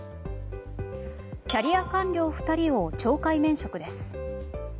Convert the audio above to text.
キャリア官僚２人を懲戒免職です。